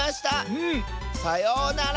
うん！さようなら！